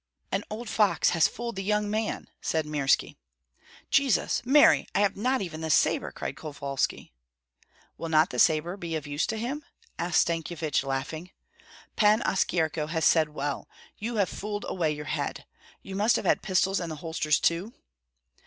"An old fox has fooled the young man!" said Mirski. "Jesus, Mary! I have not even the sabre!" cried Kovalski. "Will not the sabre be of use to him?" asked Stankyevich, laughing. "Pan Oskyerko has said well, you have fooled away your head. You must have had pistols in the holsters too?"